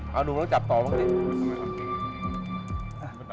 เอาหนูต้องจับต่อมาสิ